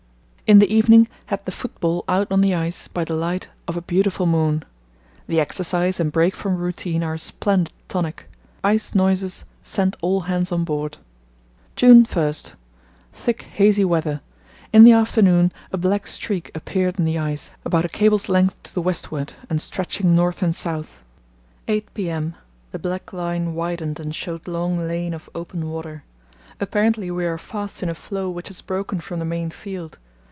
In the evening had the football out on the ice by the light of a beautiful moon. The exercise and break from routine are a splendid tonic. Ice noises sent all hands on board. "June 1.—Thick, hazy weather. In the afternoon a black streak appeared in the ice about a cable's length to the westward and stretching north and south. 8 p.m.—The black line widened and showed long lane of open water. Apparently we are fast in a floe which has broken from the main field.